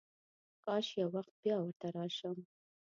کاش یو وخت بیا ورته راشم.